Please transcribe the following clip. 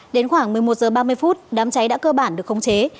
đến khoảng một mươi một h ba mươi đám cháy đã cơ bản được khống chế